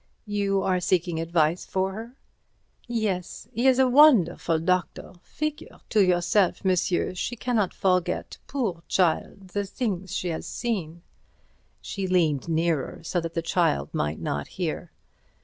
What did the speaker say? "You are seeking advice for her?" "Yes. He is wonderful, the doctor. Figure to yourself, monsieur, she cannot forget, poor child, the things she has seen." She leaned nearer, so that the child might not hear.